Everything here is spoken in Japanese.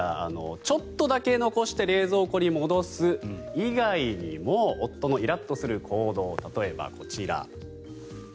ちょっとだけ残して冷蔵庫に戻す以外にも夫のイラッとする行動例えばこちら。